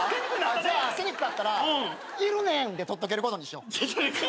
じゃあ捨てにくかったら「いるねん」で取っとけることにしよう。